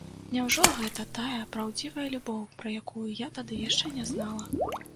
Няўжо гэта тая праўдзівая любоў, пра якую я тады яшчэ не знала?